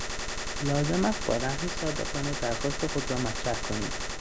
لازم است با لحنی صادقانه درخواست خود را مطرح کنیم